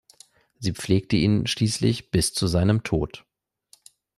Sie pflegte ihn schließlich bis zu seinem Tod.